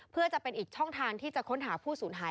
เพื่อจะเป็นอีกช่องทางที่จะค้นหาผู้สูญหาย